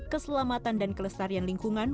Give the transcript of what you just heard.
keselamatan dan kelestarian lingkungan